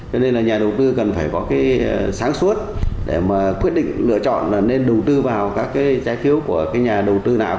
cho nên nhà đầu tư cần phải có sáng suốt để quyết định lựa chọn nên đầu tư vào trái phiếu của nhà đầu tư nào